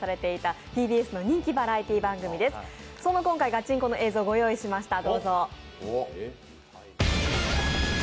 今回「ガチンコ！」の映像をご用意しました。